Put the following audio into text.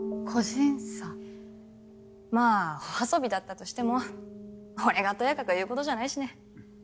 まあお遊びだったとしても俺がとやかく言うことじゃないしね。